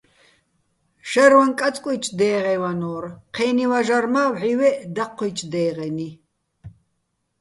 შაჲრვაჼ კაწკუჲჩო̆ დე́ღეჼ ვანო́რ, ჴე́ნი ვაჟარ მა́ ვჵივეჸ დაჴჴუ́ჲჩო̆ დე́ღენი.